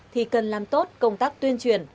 thì cần làm tốt công tác tuyên truyền